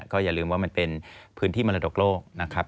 ก็อย่าลืมว่ามันเป็นพื้นที่มรดกโลกนะครับ